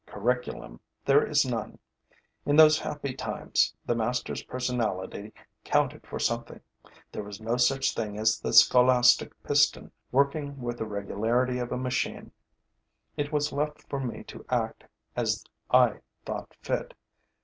Curriculum there is none. In those happy times, the master's personality counted for something; there was no such thing as the scholastic piston working with the regularity of a machine. It was left for me to act as I thought fit.